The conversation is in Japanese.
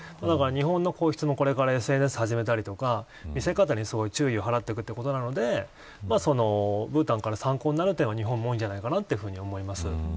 日本の皇室もこれからＳＮＳを始めたり見せ方に注意を払っていくということなのでブータンから参考になる点が日本も多いんじゃないかな